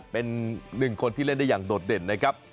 เป็นหนึ่งคนที่เล่นได้อย่างโดดเด่นนะครับ